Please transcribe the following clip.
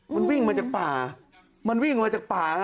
มันวิ่งมาจากป่ามันวิ่งออกมาจากป่า